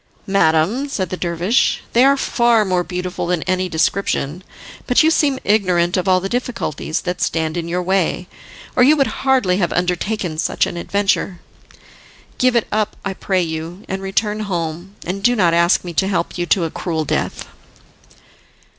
"Madam," said the dervish, "they are far more beautiful than any description, but you seem ignorant of all the difficulties that stand in your way, or you would hardly have undertaken such an adventure. Give it up, I pray you, and return home, and do not ask me to help you to a cruel death."